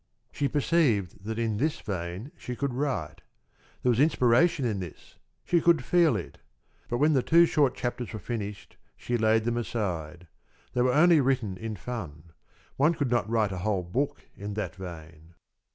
She perceived that in this vein she could write. There was inspiration in this she could feel it. But when the two short chapters were finished, she laid them aside. They were only written in fun. One could not write a whole book in that vein.